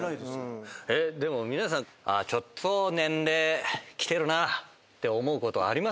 でも皆さんちょっと年齢きてるなって思うことあります？